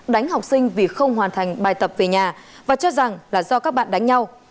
đánh học sinh vì không hoàn thành bài tập về nhà và cho rằng là do các bạn đánh nhau